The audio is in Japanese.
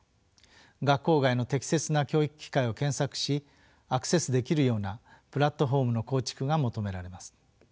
学校外の適切な教育機会を検索しアクセスできるようなプラットフォームの構築が求められます。